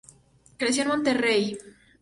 Creció en Monterrey.